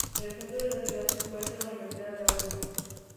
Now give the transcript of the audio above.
En el centro de la ciudad se encuentra la Universidad de Oregón.